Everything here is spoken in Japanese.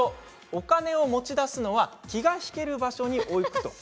お金を持ち出すのは気が引ける場所に置く。